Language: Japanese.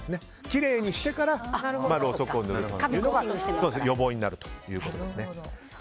きれいにしてからろうそくを塗るというのが予防になるということですね。